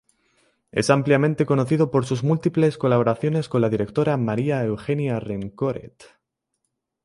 Es ampliamente conocido por sus múltiples colaboraciones con la directora María Eugenia Rencoret.